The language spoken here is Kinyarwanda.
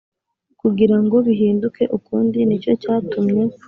kugira ngo bihinduke ukundi Ni cyo cyatumye